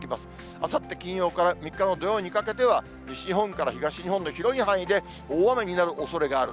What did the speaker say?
あさって金曜から３日の土曜にかけては、西日本から東日本の広い範囲で大雨になるおそれがある。